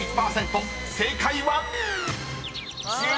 ［正解は⁉］